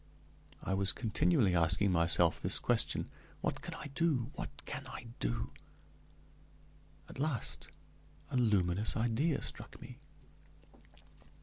I was continually asking myself this question: "What can I do? what can I do?" At last a luminous idea struck me.